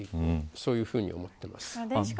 そういうふうに思っています。